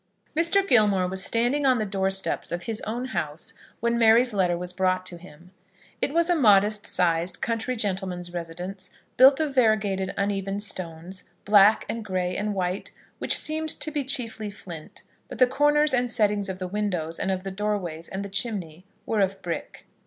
Mr. Gilmore was standing on the doorsteps of his own house when Mary's letter was brought to him. It was a modest sized country gentleman's residence, built of variegated uneven stones, black and grey and white, which seemed to be chiefly flint; but the corners and settings of the windows and of the door ways, and the chimneys, were of brick.